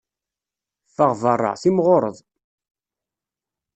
Ffeɣ beṛṛa, timɣureḍ.